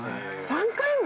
３回も！？